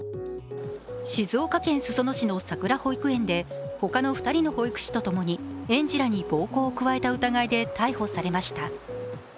静岡県裾野市のさくら保育園で他の２人の保育士とともに園児らに暴行を加えた疑いで逮捕されました。